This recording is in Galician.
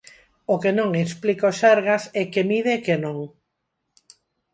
O que non explica o Sergas é que mide e que non.